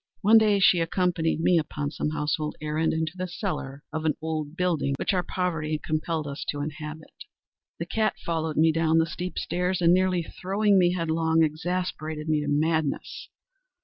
One day she accompanied me, upon some household errand, into the cellar of the old building which our poverty compelled us to inhabit. The cat followed me down the steep stairs, and, nearly throwing me headlong, exasperated me to madness.